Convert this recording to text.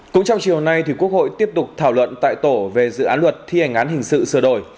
cũng trong chiều nay quốc hội tiếp tục thảo luận tại tổ về dự án luật thi hành án hình sự sửa đổi